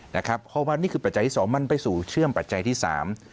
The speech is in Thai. เพราะว่านี่คือปัจจัยที่สองมันไปสู่เชื่อมปัจจัยที่สาม